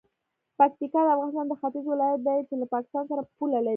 پکتیکا د افغانستان د ختیځ ولایت دی چې له پاکستان سره پوله لري.